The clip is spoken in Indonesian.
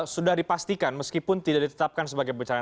sudah dipastikan meskipun tidak ditetapkan sebagai bencana